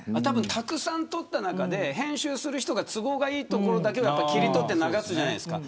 たくさん撮った中で編集する人が都合のいいところを切り取って流すじゃないですか。